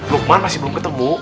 lukman masih belum ketemu